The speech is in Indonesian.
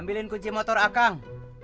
ambilin kunci motor ah kang